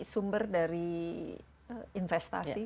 sumber dari investasi